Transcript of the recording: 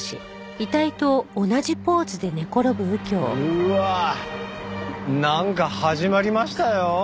うわあなんか始まりましたよ。